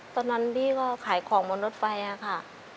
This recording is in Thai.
ตอนนั้นพี่ก็ขายของบนรถไฟค่ะ